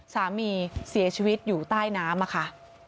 สามีเสียชีวิตอยู่ใต้น้ำค่ะ